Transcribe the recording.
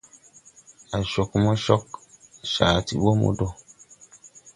A cog mo cog, caa ti bo mo dɔɔ.